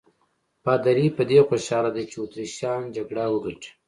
پادري په دې خوشاله دی چې اتریشیان جګړه وګټي.